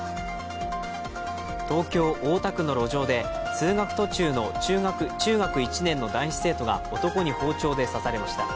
東京・大田区の路上で通学途中の中学１年の男子生徒が男に包丁で刺されました。